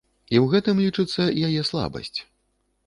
І ў гэтым, лічыцца, яе слабасць.